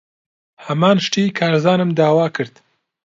ھەمان شتی کارزانم داوا کرد.